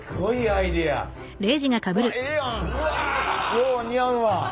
よう似合うわ。